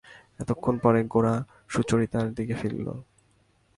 এতক্ষণ পরে গোরা সুচরিতার দিকে ফিরিল।